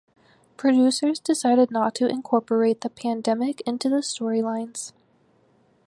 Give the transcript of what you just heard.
Producers decided not to incorporate the pandemic into the storylines.